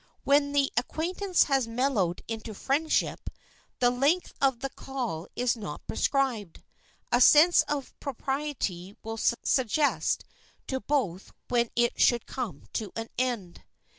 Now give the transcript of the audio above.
When the acquaintance has mellowed into friendship, the length of the call is not prescribed. A sense of propriety will suggest to both when it should come to an end.